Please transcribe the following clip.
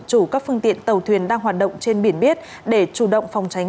chủ các phương tiện tàu thuyền đang hoạt động trên biển biết để chủ động phòng tránh